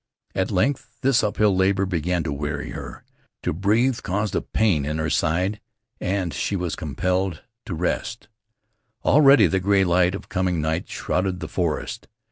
At length this uphill labor began to weary her. To breathe caused a pain in her side and she was compelled to rest. Already the gray light of coming night shrouded the forest.